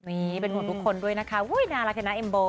อุ๊ยเป็นห่วงทุกคนด้วยนะคะอุ๊ยน่ารักเลยนะเอ็มโบ